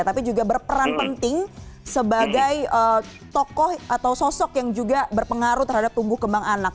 tapi juga berperan penting sebagai tokoh atau sosok yang juga berpengaruh terhadap tumbuh kembang anak